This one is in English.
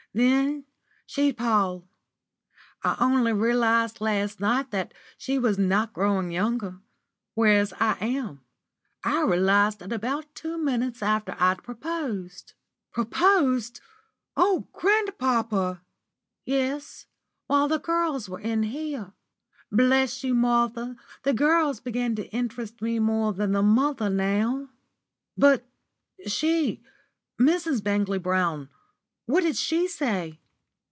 Then she'd pall. I only realised last night that she was not growing younger. Whereas I am. I realised it about two minutes after I'd proposed." "'Proposed'! Oh, grandpapa!" "Yes, while the gals were in here. Bless you, Martha, the gals begin to interest me more than the mother now." "But she Mrs. Bangley Brown what did she say?"